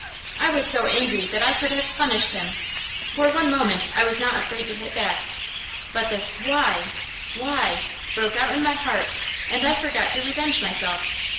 I was so angry that I could have punished him; for one moment I was not afraid to hit back. But this why why? broke out in my heart, and I forgot to revenge myself.